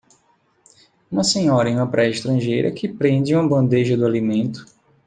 Uma senhora em uma praia estrangeira que prende uma bandeja do alimento.